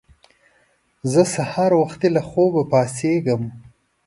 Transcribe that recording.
زه سهار وختي له خوبه پاڅېږم